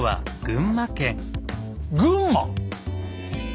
群馬⁉